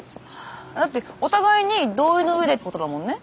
だってお互いに同意の上でってことだもんね。